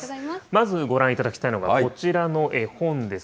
まずご覧いただきたいのがこちらの絵本です。